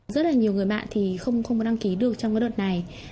rất là nhiều người bạn thì không có đăng ký được trong cái đợt này